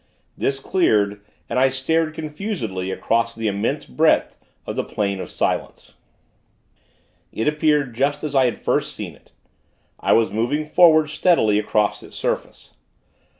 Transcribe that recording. This cleared, and I stared, confusedly, across the immense breadth of the Plain of Silence. It appeared just as I had first seen it. I was moving forward, steadily, across its surface.